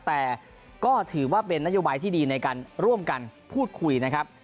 แต่ก็ถือว่าเป็นนโยบายที่ดีในการร่วมกันพูดคุยนะครับ